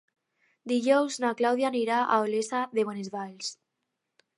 Dijous na Clàudia anirà a Olesa de Bonesvalls.